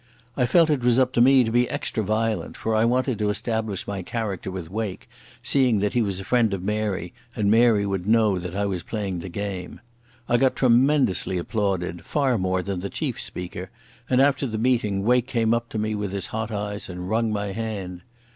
I felt it was up to me to be extra violent, for I wanted to establish my character with Wake, seeing that he was a friend of Mary and Mary would know that I was playing the game. I got tremendously applauded, far more than the chief speaker, and after the meeting Wake came up to me with his hot eyes, and wrung my hand.